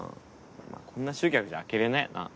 まぁこんな集客じゃ開けれないよな。